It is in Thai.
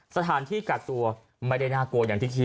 สถานที่กากตัวไม่ได้น่ากลวนอย่างทิศ